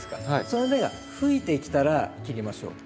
その芽が吹いてきたら切りましょう。